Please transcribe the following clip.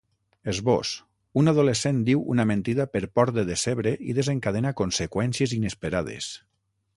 Esbós: Un adolescent diu una mentida per por de decebre i desencadena conseqüències inesperades.